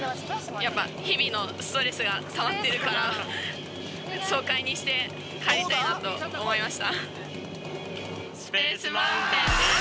やっぱ日々のストレスがたまってるから、爽快にして、帰りたいなと思いました。